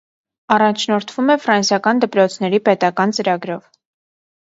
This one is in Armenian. Առաջնորդվում է ֆրանսիական դպրոցների պետական ծրագրով։